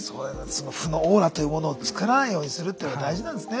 その負のオーラというものをつくらないようにするっていうのが大事なんですね